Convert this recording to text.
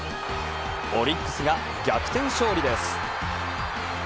オリックスが逆転勝利です。